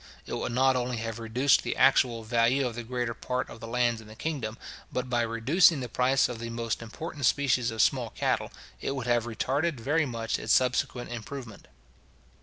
It would not only have reduced the actual value of the greater part of the lands in the kingdom, but by reducing the price of the most important species of small cattle, it would have retarded very much its subsequent improvement.